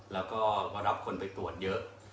แล้วก็มารับคนไปตรวจเยอะ